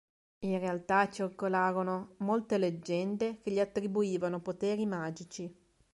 In realtà, circolarono molte leggende che gli attribuivano poteri magici.